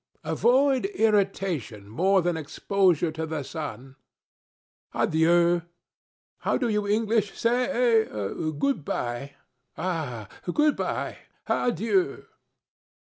'Avoid irritation more than exposure to the sun. Adieu. How do you English say, eh? Good by. Ah! Good by. Adieu.